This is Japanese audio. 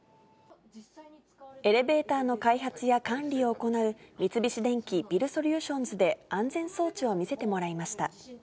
エレベーターの開発や管理を行う、三菱電機ビルソリューションズで安全装置を見せてもらいました。